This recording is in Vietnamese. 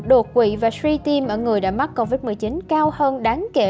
đột quỵ và suy tim ở người đã mắc covid một mươi chín cao hơn đáng kể